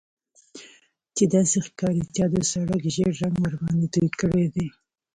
چې داسې ښکاري چا د سړک ژیړ رنګ ورباندې توی کړی دی